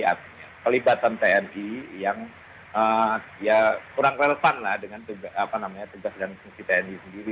atau kelibatan tni yang kurang relevan dengan tugas dan usaha tni sendiri